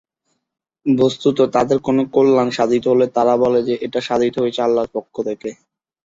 বস্তুত তাদের কোনো কল্যাণ সাধিত হলে তারা বলে যে, এটা সাধিত হয়েছে আল্লাহর পক্ষ থেকে।